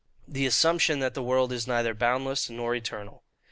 The assumption that the world is neither boundless nor eternal.